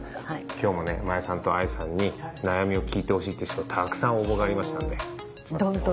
今日もね真矢さんとＡＩさんに悩みを聞いてほしいっていう人からたくさん応募がありましたので。